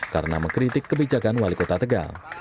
karena mengkritik kebijakan wali kota tegal